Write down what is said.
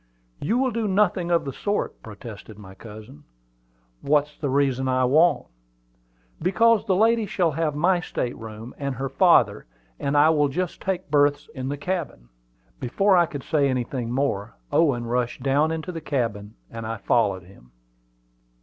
"You will do nothing of the sort," protested my cousin. "What's the reason I won't?" "Because the lady shall have my state room; and her father and I will just take berths in the cabin." Before I could say anything more, Owen rushed down into the cabin, and I followed him.